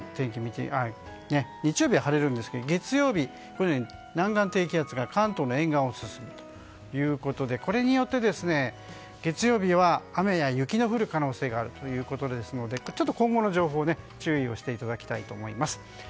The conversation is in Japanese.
日曜日は晴れるんですけれども月曜日、このように南岸低気圧が関東の沿岸を進むということでこれによって月曜日は雨や雪が降る可能性があるということですのでちょっと、今後の情報に注意をしていただきたいと思います。